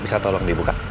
bisa tolong dibuka